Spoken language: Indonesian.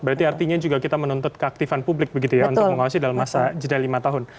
berarti artinya juga kita menuntut keaktifan publik begitu ya untuk mengawasi dalam masa jeda lima tahun